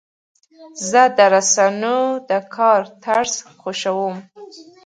زه د رسنیو د کار طرز خوښوم.